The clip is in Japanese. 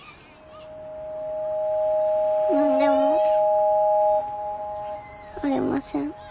何でもありません。